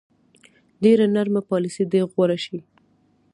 ډېره نرمه پالیسي دې غوره شي.